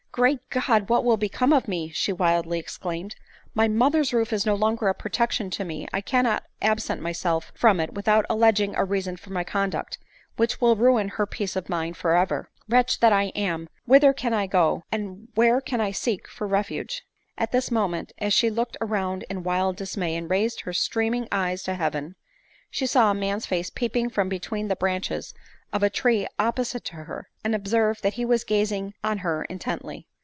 " Great God ! what will become of me !" she wildly exclaimed ;" my mother's roof is no longer a protection to me ; I cannot absent myself from it without alleging a reason for my conduct, which will ruin her peace of mind for ever. Wretch that I am ! whither can I go, and where can I seek for refuge ?" At this moment, as she looked around in wild dismay, and raised her streaming eyes to heaven, she saw a man's face peeping from between the branches of a tree oppo site to her, and observed that he was gazing on her intently.